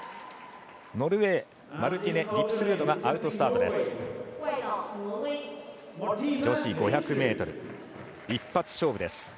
ノルウェーマルティネ・リプスルードがアウトスタートです。